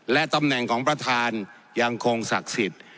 และตำแหน่งของประธานยังคงศักดิ์สิทธิ์